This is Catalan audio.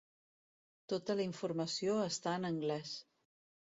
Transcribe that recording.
Tota la informació està en anglès.